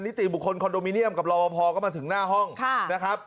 ติบุคคลคอนโดมิเนียมกับรอปภก็มาถึงหน้าห้องนะครับ